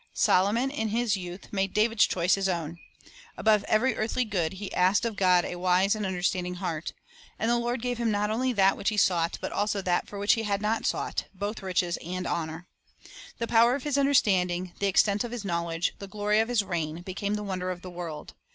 Solomon in his youth made David's choice his own. Above every earthly good he asked of God a wise and understanding heart. And the Lord gave him not only that which he sought, but that also for which he had not sought, — both riches and honor. The power of his understanding, the extent of his knowledge, the glory of his reign, became the wonder of the world.